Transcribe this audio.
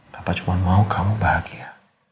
bapak cuma mau kamu bahagia